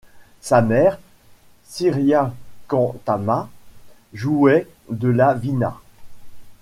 Sa mère, Suryakantamma, jouait de la vînâ.